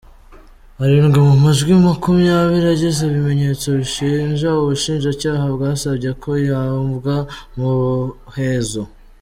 Arindwi mu majwi makumyabiri agize ibimenyetso bishinja, ubushinjacyaha bwasabye ko yumvwa mu muhezo.